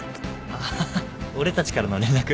ああ俺たちからの連絡？